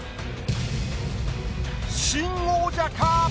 新王者か？